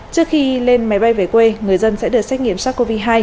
trước khi lên máy bay về quê người dân sẽ được xét nghiệm sars cov hai